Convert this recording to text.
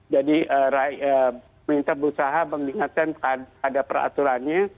jadi pemerintah berusaha mengingatkan ada peraturannya